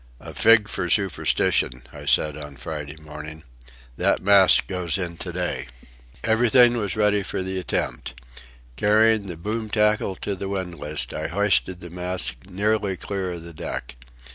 "A fig for superstition," I said on Friday morning. "That mast goes in to day." Everything was ready for the attempt. Carrying the boom tackle to the windlass, I hoisted the mast nearly clear of the deck.